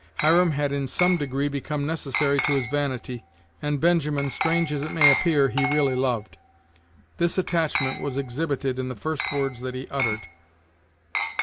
Hiram had in some degree become necessary to his vanity, and Benjamin, strange as it may appear, he really loved. This attachment was exhibited in the first words that he uttered.